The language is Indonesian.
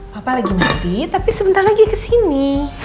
papa lagi mati tapi sebentar lagi kesini